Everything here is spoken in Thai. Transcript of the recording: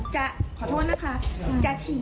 จะขอโทษนะจะฉี่